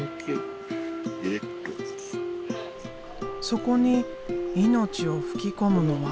そこに命を吹き込むのは。